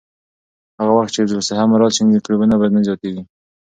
هغه وخت چې حفظ الصحه مراعت شي، میکروبونه به نه زیاتېږي.